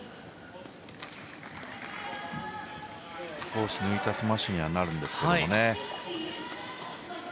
少し抜いたスマッシュにはなるんですけどね。